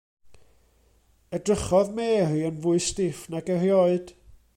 Edrychodd Mary yn fwy stiff nag erioed.